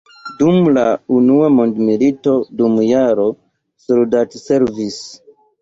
Dum la unua mondmilito dum jaro soldatservis.